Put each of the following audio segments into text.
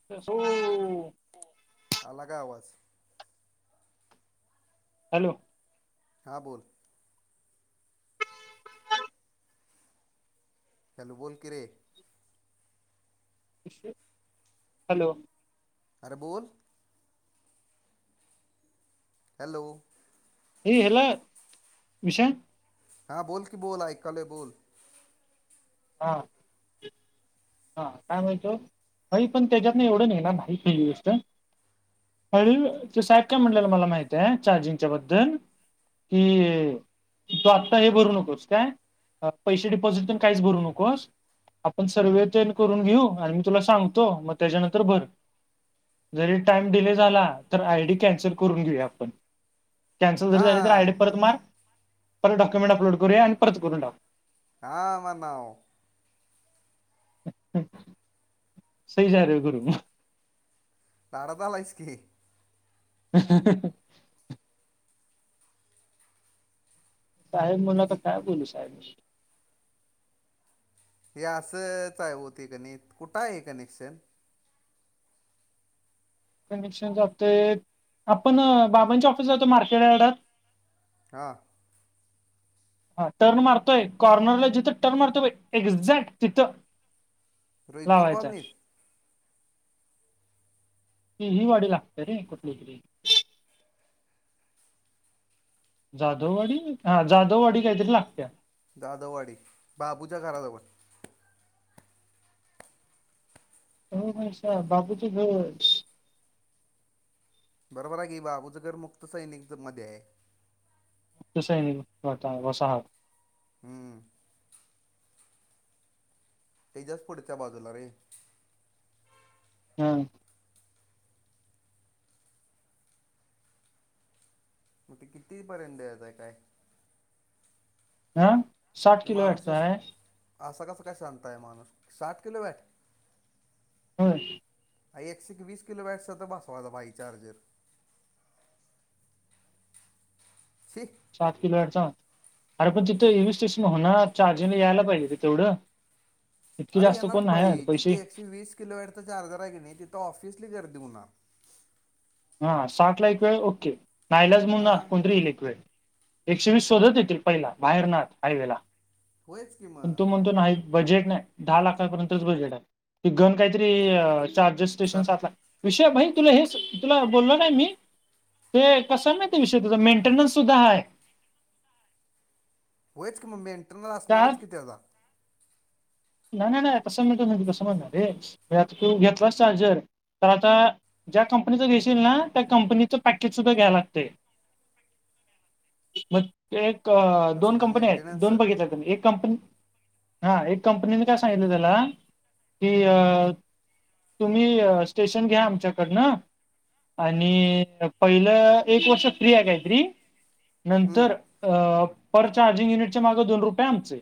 हो. आला का आवाज? हॅलो. हां. बोल. हॅलो बोल किरे हॅलो, अरे बोल. हॅलो, ए हॅलो विषन हा बोल की बोल ऐकालो बोल. हां, हां काय म्हणतो. नाही पण त्याच्यातन एवढं नेणार नाही पहली गोष्ट. हळ तो सायब काय म्हंणल मला माहित आहे चार्जिगच्या बद्दल कि, तो आत्ता हे भरू नकोस काय पैसे डिपॉझिटून काहीच भरू नको. कोस आपण सर्वे तेन करून घेऊ आणि मी तुला सांगतो. मग त्याच्यानंतर भर. जरी टाइम डिले झाला तर आयडी कॅन्सल करून घेऊया आपण. कॅन्सल जरी झाली तर हां आयडी परत मार, परत डॉक्युमेंट अपलोड करूया आणि परत करून टाकू. हा म्हणाव [unintelligible] सही जा रहे गुरु. लाडात आलास की, ह....., साहेब म्हणलो आता काय बोलू साहेब हे असंच आहे होती क नाही कुठं आहे कनेक्शन. कनेक्शन जातो आपण बाबांच्या ऑफिस जातो मार्केडाकड हां, [inaudible] हा टर्न मारतोय. कॉर्नरला जिथं टर्न मारतोय पाय एक्झॅक्ट तिथं. रईकर लावायचा आहे. कॉलनीत. ती ही वाडी लागते रे, कुठली तरी जाधववाडी हा जाधववाडी काहीतरी लागत्या. जाधववाडी बाबूच्या घराजवळ हो मनिषा बापूचं घर बरोबर आहे की, बाबू च घर मुक्त सैनिक मध्ये आहे. क्त सैनिक [unintelligible] घोसाहार ह, तेच्याच पुढच्या बाजूला रे. ह, मग ते कितीपर्यत द्यायचं आहे काय? हं साठ ते किलो माणूस वाटतंय. असं असा कसा काय शांत आहे माणूस. साठ किलो वेट होय. एकशे एक वीस किलो वॉटचा त बसवा बाई चार्जर. छी सात किलो वॉटचा अर पण तिथं एवीस्टेशन होणार चार्जरन यायला पाहिजे रे तेवढं. इतकी अरे जास्त येणार कोण की नाही आहेत भाई पैसे जिथे एकशे वीस किलोवॅटचा चार्जर आहे की नाही तिथं ऑफिसली गर्दी होणार. हा साठला एक वेळ ओके, नायलाज म्हणून हां कोणतरी इलक्वेड एकशे वीस शोधत येतील पहिला बाहेर ना, हायवेला होयच की पण मग तू म्हणतो नाही. बजेट नाही दहा लाखापर्यंतच बजेट आहे. ते घेऊन काहीतरी चार्ज स्टेशन सर सातला विषय भाई तुला हेच तुला बोललो नाही मी ते कसा विषय तुझा काय मेंटेनन्स सुद्धा हाय. होय की मग मेंटेनन्स त्या असणारच कि मग तेजा. नाही नाही नाही तसं म्हणत नाही तू आता तू घेतलास चार्जर तर आता? ज्या कंपनीच घेशील ना. त्या कंपनीचं पॅकेज सुद्धा घ्या लागतय. मग [inaudible] एक दोन कसलं कंपनी आहेत. मेंटेनन्स दोन बघितल्या तुम्ही एक कंपनी हा एक कंपनीने काय सांगितलं [inaudible] त्याला की तुम्ही स्टेशन घ्या आमच्या कडनं आणि पहिलं एक वर्ष फ्री हाय कायतरी हम्म, नंतर पर चार्जिंग युनिटच्या मागे दोन रुपये आमचे.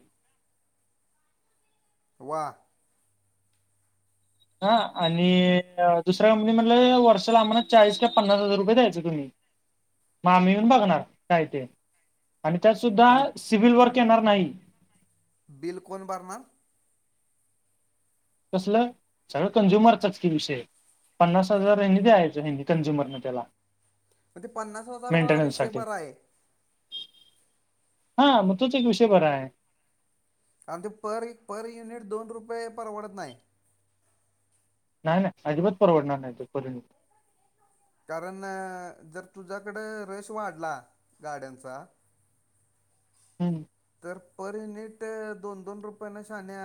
वा! हा आणि दुसऱ्या कंपनी म्हटलं. वर्षाला आम्हाला चाळीस किंवा पन्नास हजार रुपये द्यायच तुम्ही? म आम्ही येऊन बघणार काय ते आणि त्यात सुद्धा आणि सिव्हिल वर्क येणार नाही. बिल कोण भरणार? कसलं? सगळं कंझ्युमरचाच की विषय पन्नास हजार ह्यांनी द्यायचं. ह्यांनी कंझ्युमरनी त्याला मग ते पन्नास हजार हा विषय मेंटेनन्ससाठी बराय [inaudible] हा मग तोच एक विषय बराय. आणि ते पर पर युनिट दोन रुपये परवडत नाय. नाही नाही आजिबात परवडणार नाही तो पर युनीट कारण जर तुझ्याकडं रेश वाढला गाड्यांचा? हम् तर पर युनिट दोन, दोन रुपये न शान्या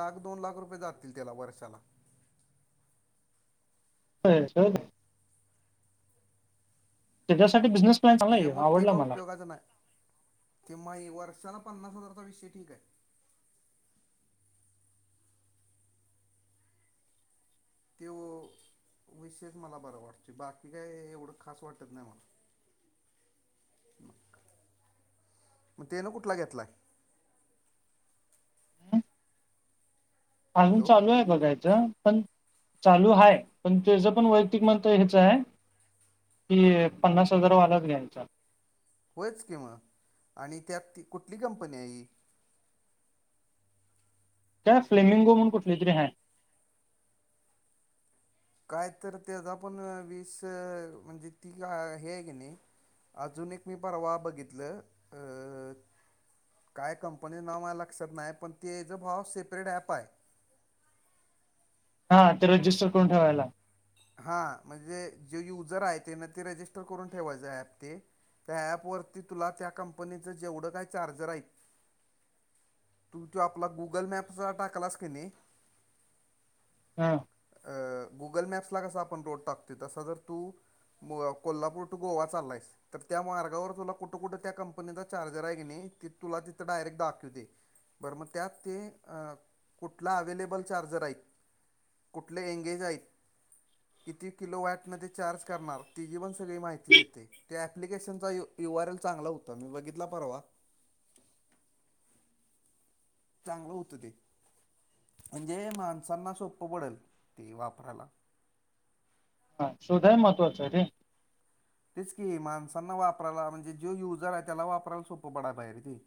लाख दोन लाख रुपये जातील त्याला वर्षाला. होच [inaudible] त्याच्यासाठी बिझनेस प्लॅन चांगला आहे. त्याच्यामुळे आवडला मला. की माही वर्षाला पन्नास हजारचा विषय ठीक आहे. की व विषयच मला बरं वाटतोय. बाकी काय एवढं खास वाटत नाही. मला [inaudible] मग ते न कुठला घेतलाय? हं. अजून हॅलो चालू आहे. बघायचं पण चालू हाय. पण त्याच पण वैयक्तिक मत घे चाय कि एक पन्नास हजारा वालाच घ्यायचा होयच कि म आणि त्यात ती कुठली कंपनी हाय? हि काय फ्लेमिंगो म्हणून कुठली तरी हाय? काय तर त्याचा पण वीस म्हणजे ती हे की नाही. अजून एक मी परवा बघितलं? काय कंपनीचं नाव माया लक्षात नाही. पण ते जे भाव सेपरेट ॲप आहे. हा तो रजिस्टर करून ठेवायला. हा म्हणजे जे युजर आहे ते ना ते रजिस्टर करून ठेवायचं. ॲप ते त्या ॲपवरती तुला त्या कंपनीचं जेवढं काय चार्ज आहेत. तू ते ॲपला गुगल मॅपचा टाकलास किनी? हा अ गुगल मॅप्सला कसा आपण रोड टाकतोय तसा जर तू [unintelligible] कोल्हापूर टू गोवा चाललायस. तर त्या मार्गावर तुला कुठं कुठं त्या कंपनीचा चार्जर आहे की नाही ती तुला तिथं डायरेक्ट दाखीवतय. बरं मग त्यात ते अ कुठला अवेलेबल चार्जर आहेत कुठले एंगेज आहेत. किती किलो वॅटमध्ये चार्ज करणार तिची पण सगळी माहिती देतय. त्या ॲप्लिकेशनचा यू यू आर एल चांगला होता मी बघितला परवा. चांगलं होतं ते, म्हणजे माणसांना सोप्पं पडल ते वापरायला. हा सुध महत्वाच रे. तेच की माणसांना वापरायला म्हणजे जो युजर आहे त्याला वापरायला सोपं पडा [unintelligible] हेर ते.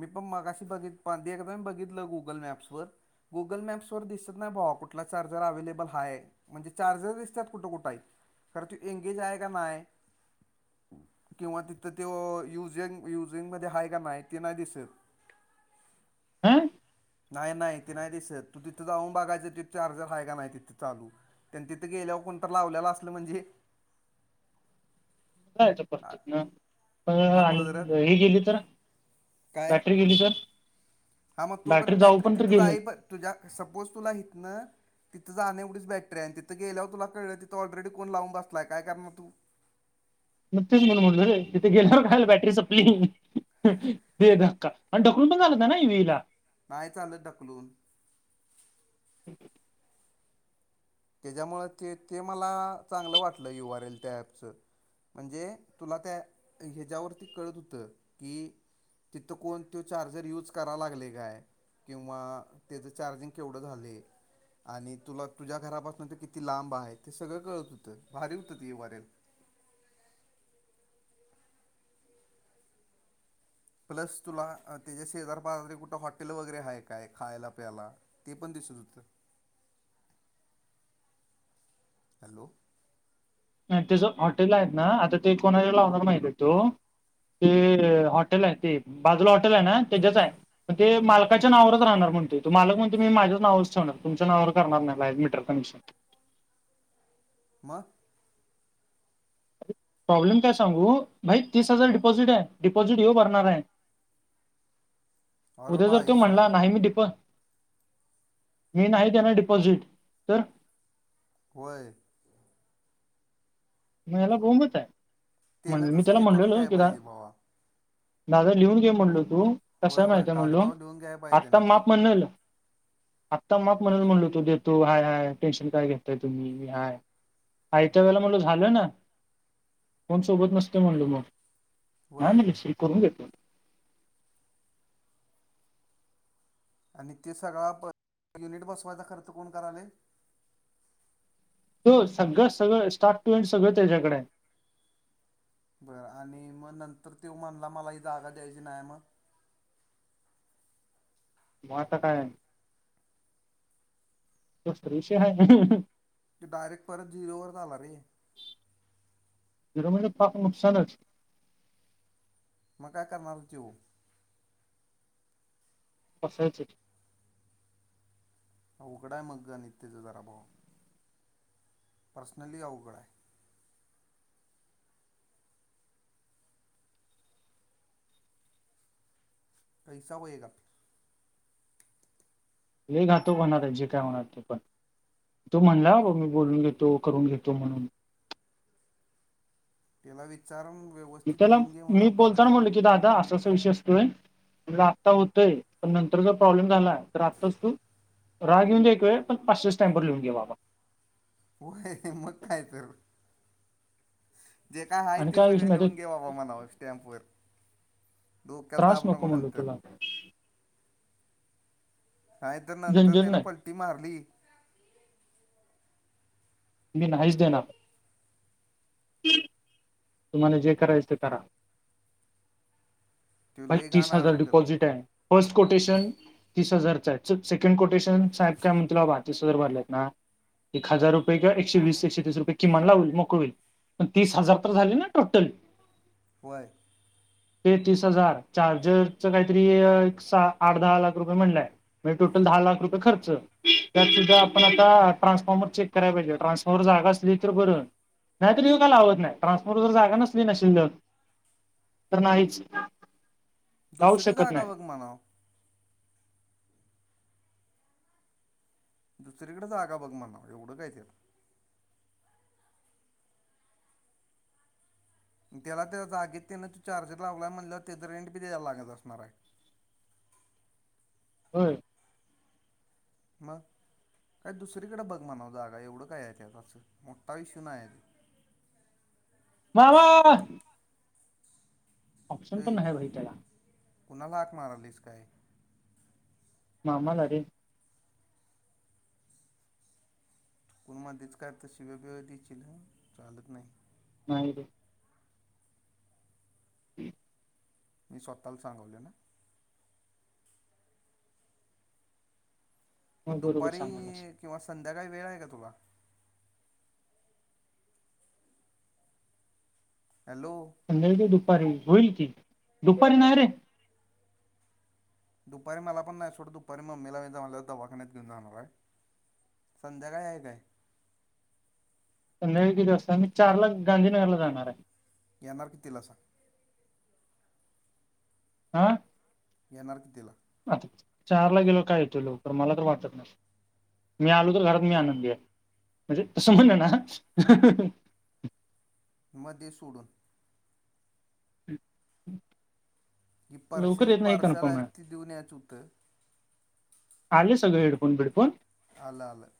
मी पण मगाशी बघि [unintelligible] बघितलं गुगल मॅप्स वर. गुगल मॅप्सवर दिसत नाही भावा कुठला चार्जर अवेलेबल आहे. म्हणजे चार्जर दिसतात कुठं कुठ हायत, खर ते एंगेज हाय का नाय किंवा तिथं त्यों युझिंग युझिंग मध्ये आहे का नाही. ते नाही दिसत. आ. नाही नाही ते नाही दिसर तू तिथं जाऊन बघायचं तिथ चार्जर हाय का नाही तिथ चालू. [unintelligible] तिथं गेल्यावर कोणतर लावलेलं असलं म्हणजे. जायच परत आ- तिथनं प आणि अगोदरच हे गेली तर. काय बॅटरी गेली तर. हा मग बॅटरी तोपर्यंत जाऊ बॅक्टरी पण तर तिथं गेली जाई प तुझ्या सपोज तुला हितन तिथं जाण एवढीच बॅटरी आहे तिथं गेल्यावर तुला कळलं तिथ ऑलरेडी कोण लावून बसलाय काय करणार तू. [unintelligible] तेच म्हणून म्हटलं तिथे गेल्यावर काल बॅटरी सपली, दे धक्का. आणि ढकलून पण चालत नाही ना इव्हीयायला. नाही चालत ढकलून. [inaudible] त्याच्यामुळ ते ते मला चांगलं वाटलं यू आर एल त्या ॲपच. म्हणजे तुला त्या ह्याच्यावरती कळत होतं की तिथं कोण तो चार्जर यूज करा लागले काय. किंवा त्याच चार्जिंग केवढं झालय आणि तुला तुझ्या घरापास पण ते किती लांब आहे ते सगळं कळत होतं भारी होतं ते यु आर एल. प्लस तुला त्याच्या शेजार पाजारी कुठ हॉटेल वगैरे हाय काय खायला प्यायला. ते पण दिसत होतं. [inaudible] हॅलो. नाही तेच हॉटेल आहे ना आता ते कोणा [unintelligible] लावणार [unintelligible] तो. ते हॉटेल आहे ते बाजूला हॉटेल आहे ना तेजच आहे. मग ते मालकाच्या नाववरच राहणार म्हणतोय तो मालक म्हणतो मी माझ्याच नावच ठेवणार तुमच्या नावावर करणार नाही [unintelligible] मिटर. [unintelligible] मग. प्रॉब्लेम काय सांगू भाई तीस हजार डिपॉझिट आहे डिपॉझिट यो भरणार आहे. अरे उद्या जर भाई तो म्हणला साहब नाही मी दीप मी नाही देणार डिपॉझिट तर. वय. म याला बोंबच आहे, म्हण तेनं मी तसं त्याला हे करून म्हणलेलो घ्याय कि पाहिजे भावा दादा लिहून घे म्हणलो तू? होय कसय होय माहिती आहे म्हणलो. कागदावर लिहून घ्याय पाहिजे आता ना ती माप म्हणल. आत्ता माप म्हणल म्हणलो तो देतो. हाय हय टेन्शन काय घेतताय तुम्ही मी हाय. आयत्या वळेला म्हणलो झाल ना. कोण सोबत नसत म्हणल मग. नाही होय म्हणल स करून घेतो. आणि ते सगळा युनिट बसवायचा खर्च कोण करालय. तो सगळ सगळ, स्टार्ट टू एंड सगळ त्याच्याकडे आहे. बर, आणि मग नंतर ते म्हणला मला ही जागा द्यायची नाही मग? मोठ काय, तोच तर विषय आहे‌. ते, डायरेक्ट परत झिरोवरच आला रे. झीरो म्हणजे पार नुकसानच. म काय करणार त्यो? कशाचे? अवघड आहे मग गणित त्याच जरा भाऊ. पर्सनली अवघड आहे. पैसा वेयेगा लय घातुक होणार आहे. जे काय होणार ते पण. तो म्हणला बाबा मी बोलून घेतो. करून घेतो‌ म्हणून. त्याला विचार व मी त्याला, मी बोलताना म्हणल की दादा असा अस विषय म्हटल आात्ता होतय. पण नंतर जर प्रॉब्लेम झाला तर आत्ताच तू राग येऊ दे एक वेळ, पण पाचशे स्टॅम्पवर लिहून घे बाबा. होय, मग काय तर जे काय आहे, आणि ते विषय सगळ माहिती लिहून घे बाबा म्हणाव स्टॅम्प वर. डोक्याला त्रास ताप नको म्हणलो नंतर. तुला नाही तर नंतर झंझट त्यान नाही पलटी मारली मी नाहीच देणार. तुम्हाला जे करायच ते करा. त्यो भाई लई घाण तीस हजार अडकल. डिपॉझिट आहे. फर्स्ट कोटेशन तीस हजारचा आहेत. सेकंड कोटेशन साहेब काय म्हणतील, बाबा तीस हजार भरले आहेत ना. एक हजार रुपये किंवा एकशे वीस, एकशे तीस रुपये किमान लागुन मोकळ होईल. पण तीस हजार झाली ना टोटल. व्हय [inaudible] तेहतीस हजार, चार्जरच काहीतरी एक सहा, आठ, दहा लाख रुपये म्हटलय. म्हणजे, टोटल दहा लाख रुपये खर्च. त्यातसुद्धा आपण आता ट्रान्सफॉर्मर चेक कराला पाहिजे. ट्रान्सफॉर्मर जागा असली तर बर. नाही तरी ये काय लावत नाही. ट्रान्सपोर्टवर जर जागा नसली ना शिल्लक तर नाहीच. लावू दुसरी शकत जागा नाही बग म्हणाव. दुसरीकडे जागा बघ म्हणाव एवढ काय त्यात. त्याला त्या जागेत त्यान तू चार्जर लावलाय म्हणल्यावर त्याच रेंट बी द्यायला लागत असणार आहे. होय. मग, काय दुसरीकडे बघ म्हणाव जागा. एवढ काय आहे ते त्याच. मोठा इशू नाही आहे तो. मामा ऑप्शन ये पण नाही भाई त्याला कुणाला हाक मारालीस काय? ममालारे. कोण मधच का तर शिवे बिव दिशील चालत नाही. नाहीरे. हम्म, ''मी स्वतःला सांगवले ना. मग बरोबर दुपारी सांगायलास किंवा संध्याकाळी वेळ आहे का तुला. हॅलो, संध्याळी ते दुपारी होईल की, दुपारी नाही रे. दुपारी मला पण नाही सोड दुपारी मला मम्मीला जमलं वाखाण्याततेन जाणार आहे. संध्याकाळी आहे काय. संध्याळी किती वाजता मी चार ला गांधीनगर ला जाणार आहे. येणार की तिला सांग. आ, येणार कितीला. आता चार ला गेलो काय येतो लवकर मला तर वाटत नाही. ''मी आलो तर घरात मी आनंद आहे म्हणजे तसं म्हण ना. म दे सोडून. हम् [inaudible] ही पर्से जी पार्सल आहे ती देऊन यायचं होतं. आले सगळे हेडफोन बिडफोन. अलं अलं.